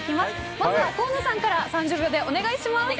まずは河野さんから３０秒でお願いします。